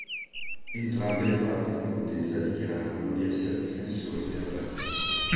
Entrambe le parti in contesa dichiararono di essere difensori del Re.